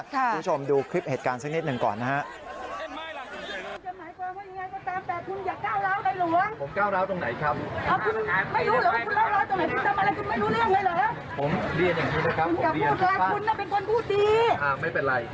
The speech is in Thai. คุณผู้ชมดูคลิปเหตุการณ์สักนิดหนึ่งก่อนนะฮะ